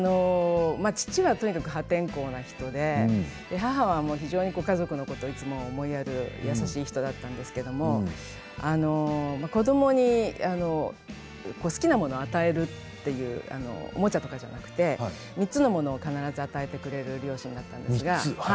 父はとにかく破天荒な人で母は非常に家族のことをいつも思いやる優しい人だったんですけれど子どもに好きなものを与えるという、おもちゃとかではなくて３つのものを必ず与えてくれる両親だったんです。